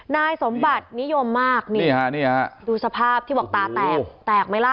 นายสมบัตินิยมมากนี่ฮะนี่ฮะดูสภาพที่บอกตาแตกแตกไหมล่ะ